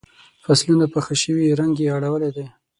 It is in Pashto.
فصلونه پاخه شوي رنګ یې اړولی دی.